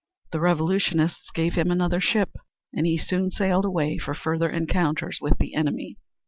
The revolutionists gave him another ship and he soon sailed away for further encounters with the enemy.